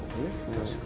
確かに。